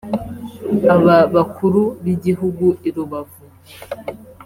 Aba bakuru b’ibihugu i Rubavu